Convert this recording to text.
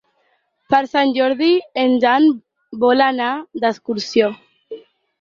Per Sant Jordi en Dan vol anar d'excursió.